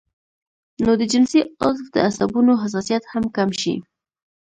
نو د جنسي عضو د عصبونو حساسيت هم کم شي